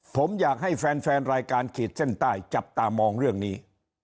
ผมอยากให้แฟนรายการขีดเส้นใต้จับตามองเรื่องนี้